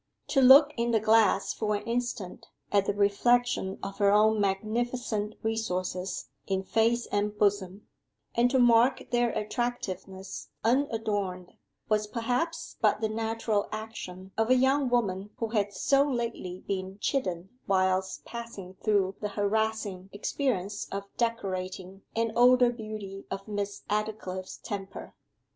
To look in the glass for an instant at the reflection of her own magnificent resources in face and bosom, and to mark their attractiveness unadorned, was perhaps but the natural action of a young woman who had so lately been chidden whilst passing through the harassing experience of decorating an older beauty of Miss Aldclyffe's temper.